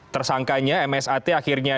tersangkanya msat akhirnya